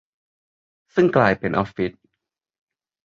ซึ่งกลายเป็นออฟฟิศ ?